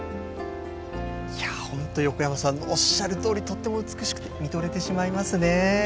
本当に、横山さんのおっしゃるとおりとっても美しくて見とれてしまいますね。